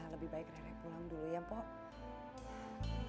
lebih baik rere pulang dulu ya poh